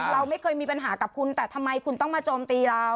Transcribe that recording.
เราไม่เคยมีปัญหากับคุณแต่ทำไมคุณต้องมาโจมตีเรา